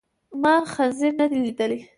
ما خنزير ندی لیدلی.